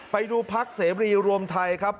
ไปดูพักเสรีรวมไทยครับ